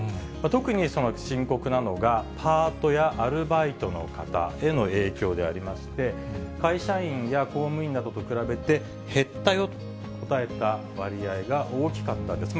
特に深刻なのが、パートやアルバイトの方への影響でありまして、会社員や公務員などと比べて、減ったよと答えた割合が大きかったんです。